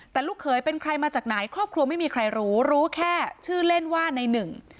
แต่ลูกเขยเป็นใครมาจากไหนครอบครัวไม่มีใครรู้รู้แค่ชื่อเล่นว่าในหนึ่ง